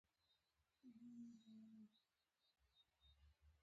د ریګ استخراج له سیندونو زیان لري؟